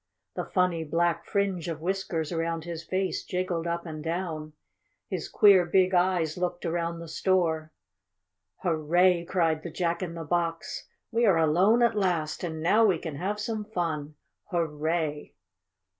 The funny, black fringe of whiskers around his face jiggled up and down. His queer, big eyes looked around the store. "Hurray!" cried the Jack in the Box. "We are alone at last and now we can have some fun! Hurray!"